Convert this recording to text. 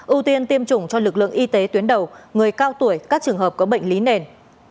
ưu tiên tiêm chủng cho lực lượng y tế tuyến đầu người cao tuổi các trường hợp có bệnh lý nền